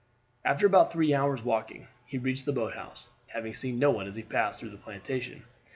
After about three hours' walking he reached the boat house, having seen no one as he passed through the plantation.